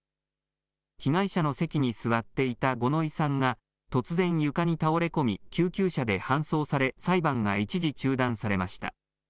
被害者の席に座っていた五ノ井さんが突然、床に倒れ込み、救急車で搬送され、裁判が一時中断されました。